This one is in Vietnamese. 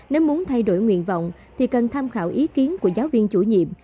nếu muốn thay đổi nguyện vọng thì cần tham khảo ý kiến của giáo viên chủ nhiệm